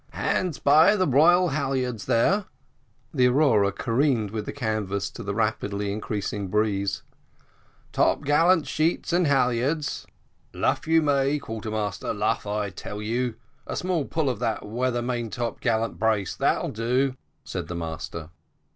"Hands by the royal halyards, there." The Aurora careened with the canvas to the rapidly increasing breeze. "Top gallant sheet and halyards." "Luff you may, quarter master; luff, I tell you. A small pull of that weather maintop gallant brace that will do," said the master.